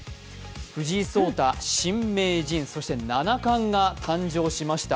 藤井聡太新名人、そして七冠が誕生しました。